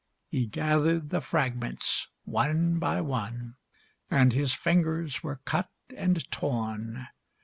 He gathered the fragments, one by one, And his fingers were cut and torn.